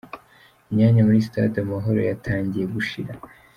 Imyanya muri Stade Amahoro yatangiye gushira.